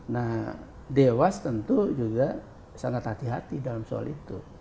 nah dewas tentu juga sangat hati hati dalam soal itu